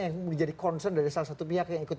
yang menjadi concern dari salah satu pihak yang ikut